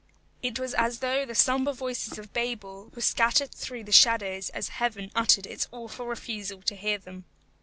It was as though the sombre voices of Babel were scattered through the shadows as Heaven uttered its awful refusal to hear them.